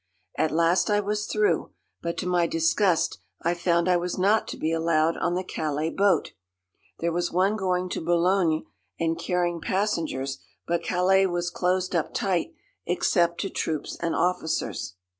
At last I was through. But to my disgust I found I was not to be allowed on the Calais boat. There was one going to Boulogne and carrying passengers, but Calais was closed up tight, except to troops and officers.